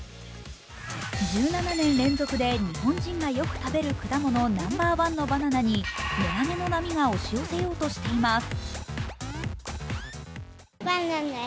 １７年連続で日本人がよく食べる果物、ナンバーワンのバナナに値上げの波が押し寄せようとしています。